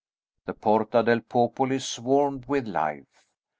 The Porta del Popolo swarmed with life.